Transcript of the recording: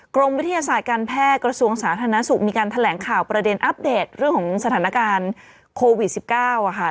กรมวิทยาศาสตร์การแพทย์กระทรวงสาธารณสุขมีการแถลงข่าวประเด็นอัปเดตเรื่องของสถานการณ์โควิด๑๙ค่ะ